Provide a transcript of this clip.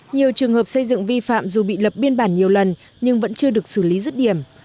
nhiều trường hợp xây dựng vi phạm dù bị lập biên bản nhiều lần nhưng vẫn chưa được xử lý rứt điểm